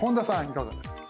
いかがですか？